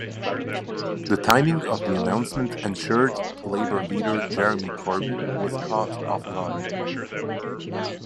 The timing of the announcement ensured Labour leader Jeremy Corbyn was caught off guard.